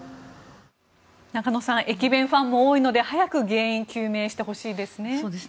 中野さん駅弁ファンも多いので早く原因究明してほしいですね。